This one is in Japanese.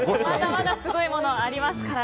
まだすごいものありますから。